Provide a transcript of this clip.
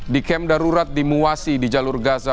di kem darurat dimuasi di jalur gaza